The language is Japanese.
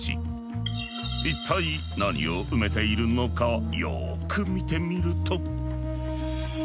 一体何を埋めているのかよく見てみると。